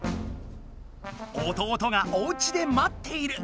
弟がおうちでまっている！